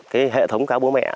cái hệ thống cá bố mẹ